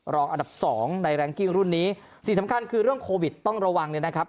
รองอันดับสองในแรงกิ้งรุ่นนี้สิ่งสำคัญคือเรื่องโควิดต้องระวังเลยนะครับ